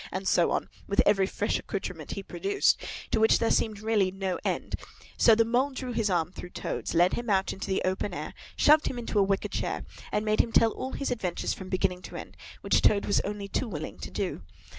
and so on, with every fresh accoutrement he produced, to which there seemed really no end; so the Mole drew his arm through Toad's, led him out into the open air, shoved him into a wicker chair, and made him tell him all his adventures from beginning to end, which Toad was only too willing to do.